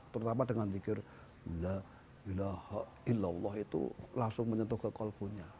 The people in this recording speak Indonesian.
terutama dengan zikir la ilaha illallah itu langsung menyentuh kekolbunya